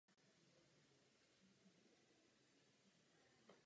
Během studia je možná praxe.